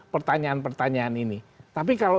pertanyaan pertanyaan ini tapi kalau